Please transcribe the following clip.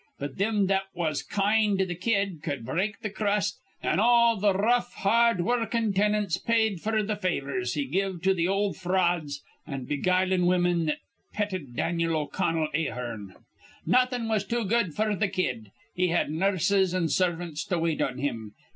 But thim that was kind to th' kid cud break th' crust, an' all th' r rough, hard wurrkin' tenants paid f'r th' favors he give to th' ol' frauds an' beguilin' women that petted Dan'l O'Connell Ahearn. Nawthin' was too good f'r th' kid. He had nurses an' servants to wait on him.